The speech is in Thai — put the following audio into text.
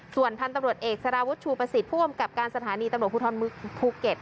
ส่วนพันธุ์ตำรวจเอกสารวุฒิชูประสิทธิ์ผู้อำกับการสถานีตำรวจภูทรเมืองภูเก็ต